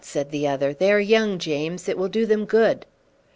said the other; "they are young, James, and it will do them good."